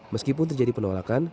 meskipun terjadi penolakan